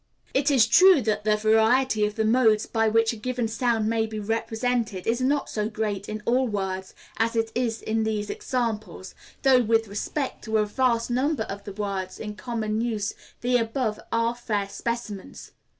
It is true that the variety of the modes by which a given sound may be represented is not so great in all words as it is in these examples, though with respect to a vast number of the words in common use the above are fair specimens.